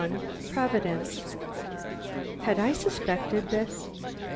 _" XXI PROVIDENCE Had I suspected this?